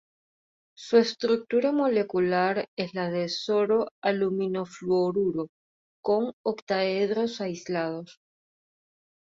Su estructura molecular es la de soro-aluminofluoruro con octaedros aislados.